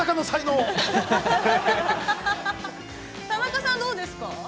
◆田中さん、どうですか。